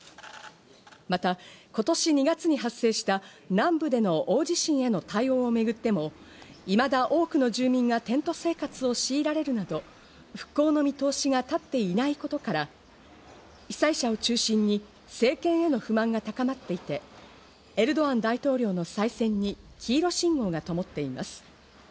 また、今年２月に発生した南部での大地震への対応をめぐっても、いまだ多くの住民がテント生活をしいられるなど、復興の見通しが立っていないことから、被災者を中心に政権への不満が高まっていて、エルドアン大統領の再戦に黄色信号がともっています。